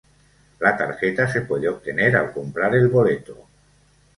La tarjeta se puede obtener al comprar el boleto.